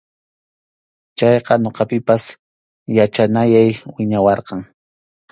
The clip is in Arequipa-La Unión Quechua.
Chayqa ñuqapipas yachanayay wiñawarqan.